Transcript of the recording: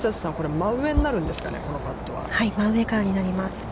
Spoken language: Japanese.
◆真上からになります。